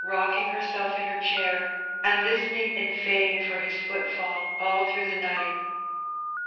rocking herself in her chair, and listening in vain for his ^ footfall all through the night.